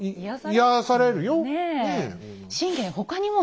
癒やされるよねえ。